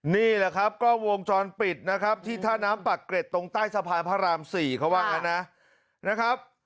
นี่แหละครับกล้องวงจรปิดนะครับที่ท่าน้ำปากเกร็ดตรงใต้สะพานพระราม๔เขาว่างั้นนะครับ